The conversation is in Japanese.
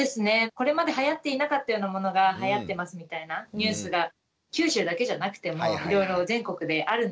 これまではやっていなかったようなものがはやってますみたいなニュースが九州だけじゃなくてもいろいろ全国であるので。